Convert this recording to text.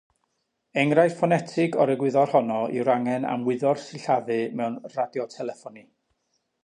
Enghraifft ffonetig o'r egwyddor honno yw'r angen am wyddor sillafu mewn radioteleffoni.